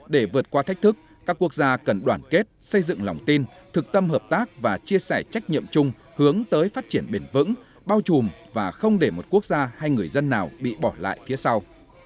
để vượt qua thách thức các quốc gia cần đoàn kết xây dựng lòng tin thực tâm hợp tác và chia sẻ trách nhiệm chung hướng tới phát triển bền vững bao trùm và không để một quốc gia hay người dân nào bị bỏ lại phía sau